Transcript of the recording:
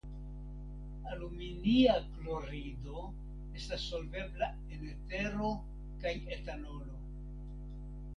Aluminia klorido estas solvebla en etero kaj etanolo.